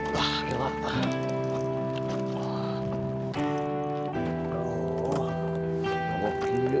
terlalu parah ini motornya